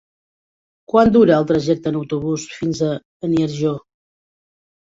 Quant dura el trajecte en autobús fins a Beniarjó?